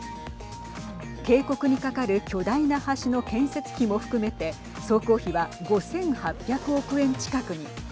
渓谷に架かる巨大な橋の建設費も含めて総工費は５８００億円近くに。